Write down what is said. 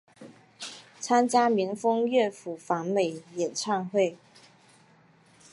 参与民风乐府访美演唱会。